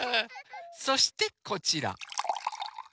そしてこちら。